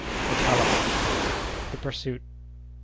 The Talabas.—The Pursuit.